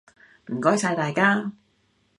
唔該晒大家！